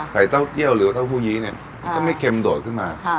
เต้าเกี้ยวหรือว่าเต้าหู้ยี้เนี่ยก็ไม่เค็มโดดขึ้นมา